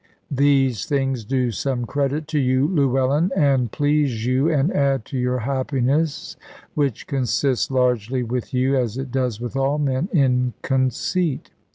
These things do some credit to you, Llewellyn, and please you, and add to your happiness, which consists largely with you (as it does with all men) in conceit.